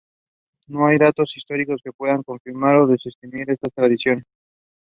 Scott makes use of advanced spectroscopic methods to evaluate reaction mechanisms.